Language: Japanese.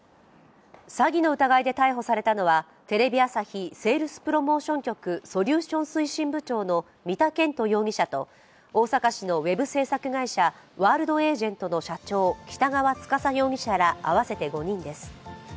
詐欺の疑いで逮捕されたのはテレビ朝日セールスプロモーション局ソリューション推進部長の三田研人容疑者と大阪市のウェブ制作会社、ワールドエージェントの社長、北川督容疑者ら合わせて５人です。